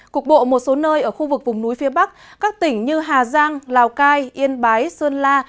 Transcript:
cục bộ một số nơi ở khu vực vùng núi phía bắc các tỉnh như hà giang lào cai yên bái sơn la